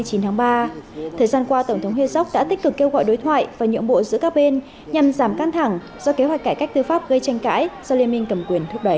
thời gian qua tổng thống hezok đã tích cực kêu gọi đối thoại và nhượng bộ giữa các bên nhằm giảm căng thẳng do kế hoạch cải cách tư pháp gây tranh cãi do liên minh cầm quyền thúc đẩy